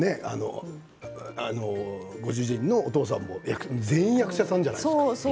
ご主人のお父さんのも全員、役者さんじゃないですか。